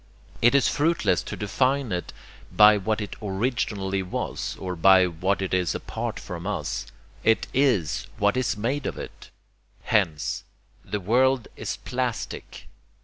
It is fruitless to define it by what it originally was or by what it is apart from us; it IS what is made of it. Hence ... the world is PLASTIC."